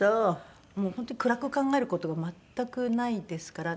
本当に暗く考える事が全くないですから。